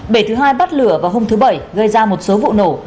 bể thứ hai bắt lửa vào hôm thứ bảy gây ra một số vụ nổ